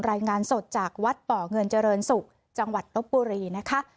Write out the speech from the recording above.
รายงานสดจากวัดป่อเงินเจริญศุกร์จังหวัดลบบุรีนะคะ